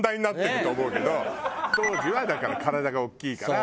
当時はだから体が大きいから。